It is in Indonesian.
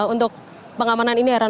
untuk pengamanan ini